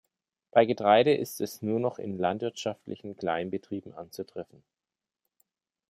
Bei Getreide ist es nur noch in landwirtschaftlichen Kleinbetrieben anzutreffen.